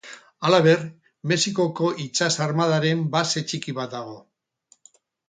Halaber, Mexikoko itsas armadaren base txiki bat dago.